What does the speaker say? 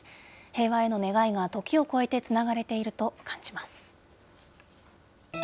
平和への願いが時を超えてつながれていると感じます。